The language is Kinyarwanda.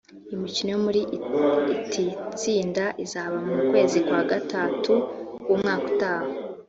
Imikino yo muri iti tsinda izaba mu kwezi kwa Gatatu w’umwaka utaha